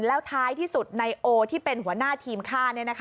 แล้วท้ายที่สุดในโอที่เป็นหัวหน้าทีมฆ่า